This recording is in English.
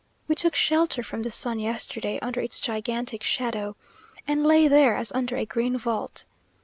We took shelter from the sun yesterday under its gigantic shadow, and lay there as under a green vault.